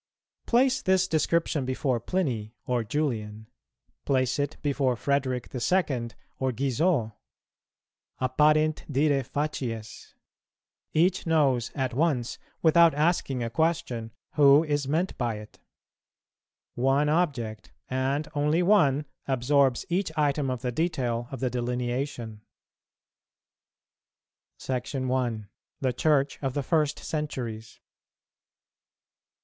Place this description before Pliny or Julian; place it before Frederick the Second or Guizot.[208:1] "Apparent diræ facies." Each knows at once, without asking a question, who is meant by it. One object, and only one, absorbs each item of the detail of the delineation. SECTION I. THE CHURCH OF THE FIRST CENTURIES.